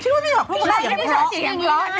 ชิคกี้พายไม่อยากพูดว่าพี่ชอตเสียงเพราะ